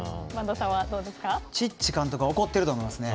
チッチ監督は怒っていると思います。